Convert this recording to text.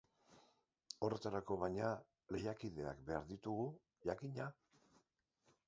Horretarako, baina, lehiakideak behar ditugu, jakina!